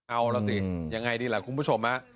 เอาล่ะสิยังไงดีล่ะคุณผู้ชม